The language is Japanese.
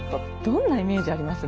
どんなイメージあります？